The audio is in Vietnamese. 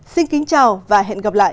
xin kính chào và hẹn gặp lại